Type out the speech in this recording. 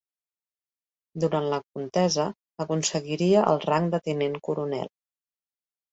Durant la contesa aconseguiria el rang de tinent coronel.